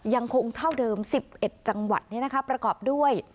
ยังคงเท่าเดิม๑๑จังหวัดประกอบด้วย